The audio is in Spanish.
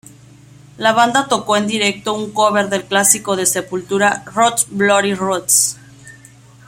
La banda tocó en directo un cover del clásico de Sepultura "Roots Bloody Roots".